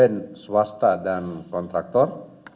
n swasta dan kontraktor